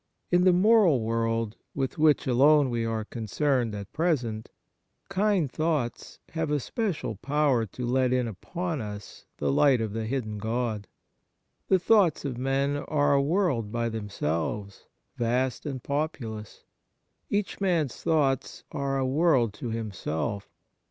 In the moral world, with which alone we are concerned at present, kind thoughts have a special power to let in upon us the light of the hidden God. The thoughts of men are a world by themselves, vast and populous. Each man's thoughts are a world to himself.